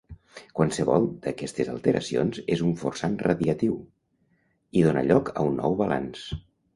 Qualsevol d'aquestes alteracions és un forçant radiatiu, i dóna lloc a un nou balanç.